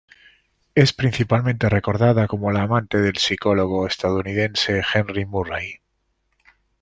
Es principalmente recordada como la amante del psicólogo estadounidense Henry Murray.